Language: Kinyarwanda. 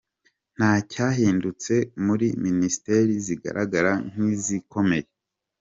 Nta cyahindutse muri Ministeri zigaragara nk’izikomeye .